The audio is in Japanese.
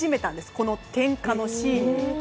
この点火のシーンに。